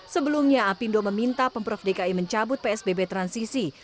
sebelumnya apindo meminta pemprov dki mencabut psbb transisi